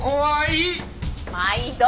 まいど！